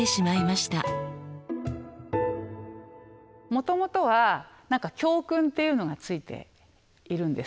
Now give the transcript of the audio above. もともとは教訓っていうのがついているんです。